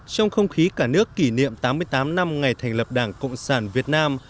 trong không khí cả nước kỷ niệm tám mươi tám năm ngày thành lập đảng cộng sản việt nam